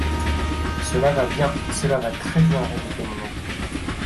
Cela va bien ! cela va très bien ! répétait mon oncle.